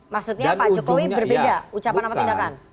maksudnya pak jokowi berbeda ucapan sama tindakan